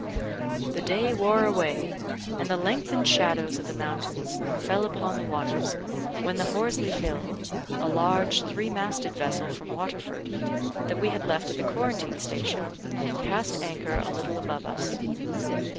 The day wore away, and the lengthened shadows of the mountains fell upon the waters, when the Horsley Hill, a large three masted vessel from Waterford, that we had left at the quarantine station, cast anchor a little above us.